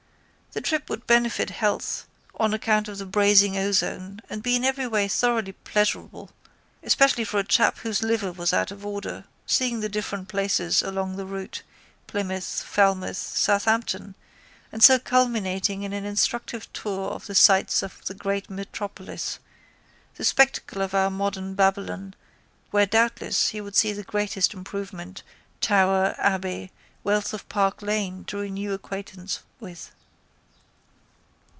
The trip would benefit health on account of the bracing ozone and be in every way thoroughly pleasurable, especially for a chap whose liver was out of order, seeing the different places along the route, Plymouth, Falmouth, Southampton and so on culminating in an instructive tour of the sights of the great metropolis, the spectacle of our modern Babylon where doubtless he would see the greatest improvement, tower, abbey, wealth of Park lane to renew acquaintance with.